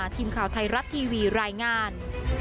ทีมข่าวไทยรัฐทีวีรายงาน